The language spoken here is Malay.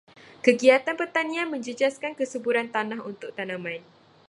Kegiatan pertanian menjejaskan kesuburan tanah untuk tanaman.